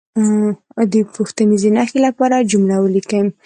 د پوښتنیزې نښې لپاره جمله ولیکي.